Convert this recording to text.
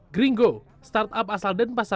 gringo startup asal dan pasar bali